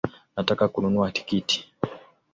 Nataka kununua tikiti